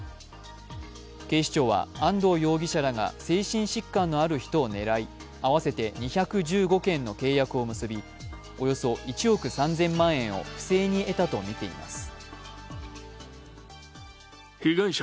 警視庁は安藤容疑者らが精神疾患のある人を狙い合わせて２１５件の契約を結びおよそ１億３０００万円を不正に得たとみています。